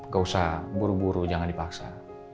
gausah buru buru jangan dipaksa